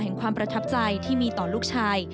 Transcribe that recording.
ความประทับใจที่มีต่อลูกชาย